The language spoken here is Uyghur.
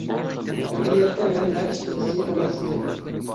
ئەمەلىيەتتە مەن ھەر ئىككىلىسى ئەمەس ئىدىم.